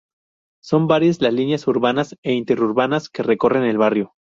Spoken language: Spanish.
Son varias las líneas urbanas e interurbanas que recorren el barrio.